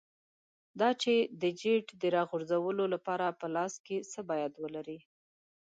دا چې د جیټ د راغورځولو لپاره په لاس کې څه باید ولرې.